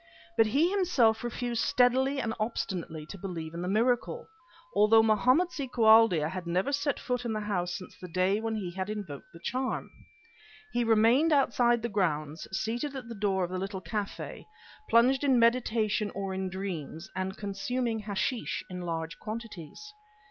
But he himself refused steadily and obstinately to believe in the miracle, although Mohammed si Koualdia had never set foot in the house since the day when he had invoked the charm. He remained outside the grounds, seated at the door of a little café, plunged in meditation or in dreams, and consuming hashish in large quantities.